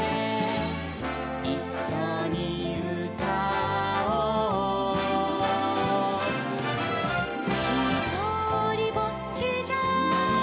「いっしょにうたおう」「ひとりぼっちじゃ」